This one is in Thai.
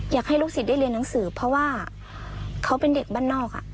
อยากให้ลูกศิษย์ได้เรียนหนังสือเพราะว่าเขาเป็นเด็กบ้านนอก